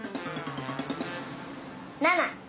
７！